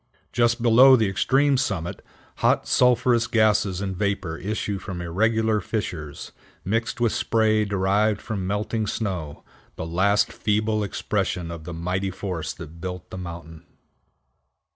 Just below the extreme summit hot sulphurous gases and vapor issue from irregular fissures, mixed with spray derived from melting snow, the last feeble expression of the mighty force that built the mountain.